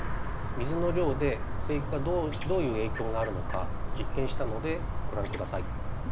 水の量で生育がどういう影響があるのか実験したのでご覧下さい。